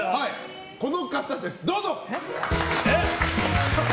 この方です、どうぞ！